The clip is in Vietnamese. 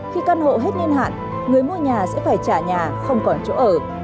khi căn hộ hết niên hạn người mua nhà sẽ phải trả nhà không còn chỗ ở